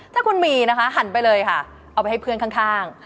ถ้าคุณมีนะคะหันไปเลยค่ะเอาไปให้เพื่อนข้าง